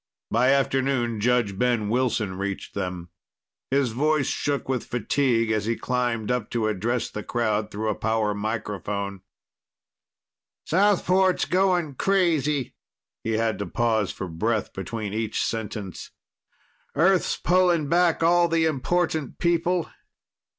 By afternoon, Judge Ben Wilson reached them. His voice shook with fatigue as he climbed up to address the crowd through a power megaphone. "Southport's going crazy." He had to pause for breath between each sentence. "Earth's pulling back all the important people.